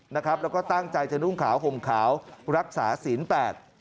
แล้วก็ตั้งใจจะนุ่งขาวห่มขาวรักษาศีลแปลก